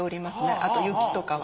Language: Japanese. あと雪とかは。